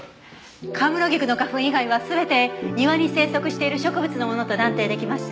神室菊の花粉以外は全て庭に生息している植物のものと断定出来ました。